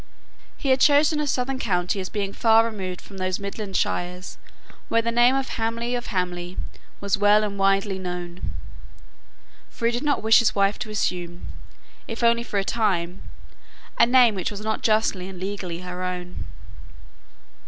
He had chosen a southern county as being far removed from those midland shires where the name of Hamley of Hamley was well and widely known; for he did not wish his wife to assume, if only for a time, a name which was not justly and legally her own.